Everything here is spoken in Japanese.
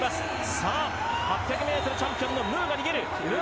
さあ、８００ｍチャンピオンのムーが逃げる。